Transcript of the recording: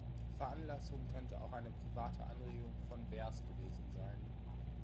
Veranlassung könnte auch eine private Anregung von Behrs gewesen sein.